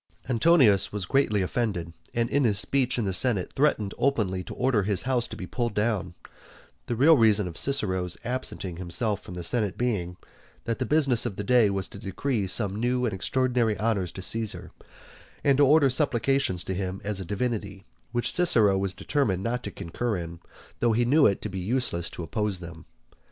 Antonius was greatly offended, and in his speech in the senate threatened openly to order his house to be pulled down, the real reason of Cicero's absenting himself from the senate being, that the business of the day was to decree some new and extraordinary honours to Caesar, and to order supplications to him as a divinity, which Cicero was determined not to concur in, though he knew it would be useless to oppose them.